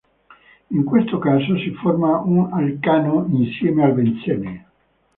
In questo caso, si forma un alcano, insieme al benzene.